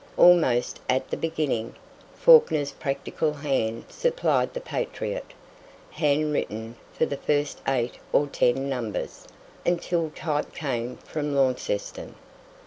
Almost at the beginning, Fawkner's practical hand supplied "The Patriot," hand written for the first eight or ten numbers, until type came from Launceston.